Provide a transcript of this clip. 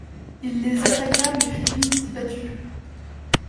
Il les attaqua mais fut vite battu.